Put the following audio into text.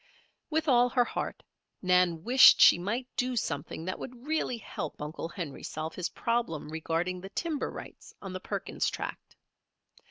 With all her heart, Nan wished she might do something that would really help Uncle Henry solve his problem regarding the timber rights on the Perkins Tract.